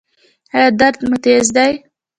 ایا درد مو تېز دی؟